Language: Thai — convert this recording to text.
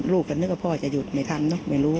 ลูกก็นึกว่าพ่อจะหยุดไม่ทำเนอะไม่รู้